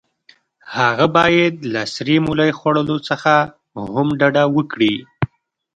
هغه باید له سرې مولۍ خوړلو څخه هم ډډه وکړي.